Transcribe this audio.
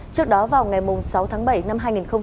trước đó vào ngày sáu tháng bảy năm hai nghìn hai mươi